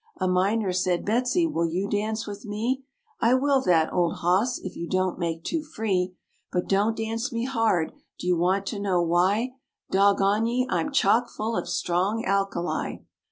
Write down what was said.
A miner said, "Betsy, will you dance with me?" "I will that, old hoss, if you don't make too free; But don't dance me hard. Do you want to know why? Dog on ye, I'm chock full of strong alkali."